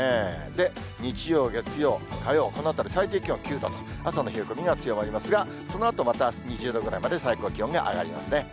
で、日曜、月曜、火曜、このあたり最低気温９度と、朝の冷え込みが強まりますが、そのあとまた２０度ぐらいまで最高気温が上がりますね。